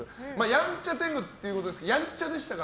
やんちゃ天狗っていうことですけどやんちゃでしたか？